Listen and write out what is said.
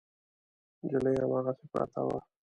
نجلۍ هماغسې پرته وه.